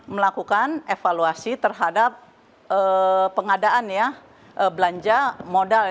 melakukan evaluasi terhadap pengadaan ya belanja modal